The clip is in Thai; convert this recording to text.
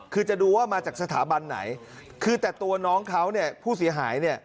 คือจะดูว่ามาจากสถาบันไหนคือแต่ตัวน้องเขาเนี่ยผู้เสียหายเนี่ย